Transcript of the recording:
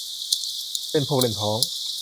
เล่นพวกเล่นพ้อง